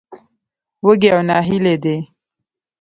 وږي او نهيلي دي.